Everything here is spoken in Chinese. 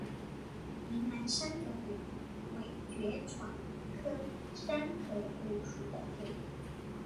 云南山壳骨为爵床科山壳骨属的植物。